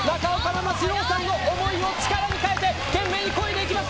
志朗さんの思いを力に変えて懸命にこいでいきます。